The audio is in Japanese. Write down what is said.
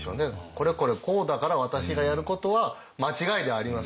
これこれこうだから私がやることは間違いではありません。